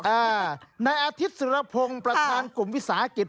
อ่าในอาทิตย์สุรพงศ์ประธานกลุ่มวิสาหกิจ